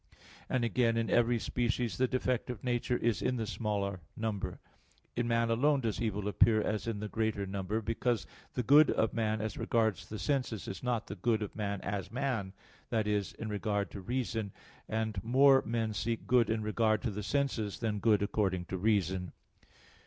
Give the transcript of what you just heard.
And again, in every species the defect of nature is in the smaller number. In man alone does evil appear as in the greater number; because the good of man as regards the senses is not the good of man as man that is, in regard to reason; and more men seek good in regard to the senses than good according to reason.